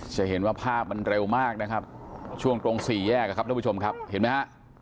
จะเห็นว่าภาพมันเร็วมากนะครับช่วงตรงสี่แยกครับท่านผู้ชมครับเห็นไหมฮะ